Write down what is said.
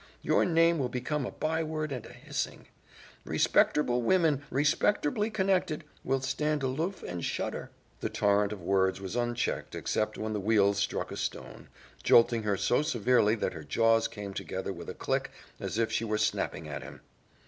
Your name will become a byword and a hissing. Respecterble women, respecterbly connected, will stand aloof and shudder." The torrent of words was unchecked except when the wheels struck a stone, jolting her so severely that her jaws came together with a click as if she were snapping at him.